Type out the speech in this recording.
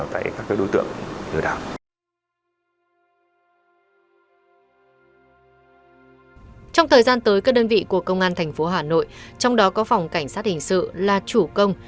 trong thời gian tới các đơn vị của công an tp hà nội trong đó có phòng cảnh sát hình sự là chủ công